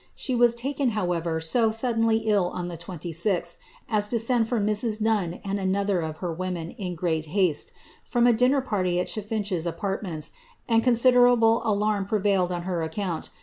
She was taken, however, so suddenly ill on the 26th, as to fcnd for Mrs. Nun and another of her women, in great haste, from t cliiiner party at Chiflincirs apartments, and cunsiderablc alann prevailed on her account.